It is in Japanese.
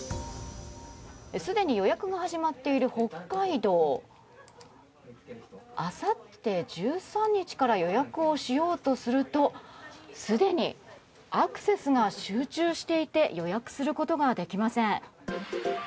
すでに予約が始まっている北海道あさって１３日から予約をしようとするとすでにアクセスが集中していて予約することができません。